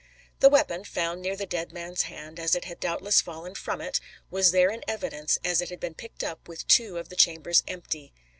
The weapon, found near the dead man's hand as it had doubtless fallen from it, was there in evidence, as it had been picked up with two of the chambers empty.